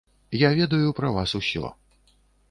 Я ведаю пра вас усё.